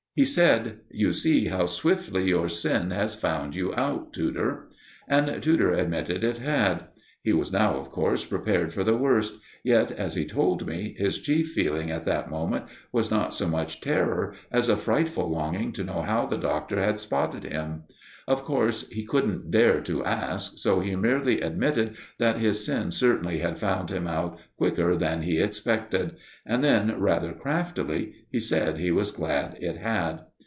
He said: "You see how swiftly your sin has found you out, Tudor." And Tudor admitted it had. He was now, of course, prepared for the worst, yet, as he told me, his chief feeling at that moment was not so much terror as a frightful longing to know how the Doctor had spotted him. Of course, he couldn't dare to ask, so he merely admitted that his sin certainly had found him out quicker than he expected; and then, rather craftily, he said he was glad it had.